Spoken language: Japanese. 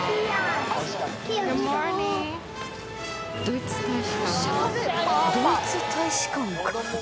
ドイツ大使館の方？